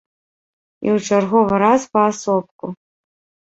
І ў чарговы раз паасобку.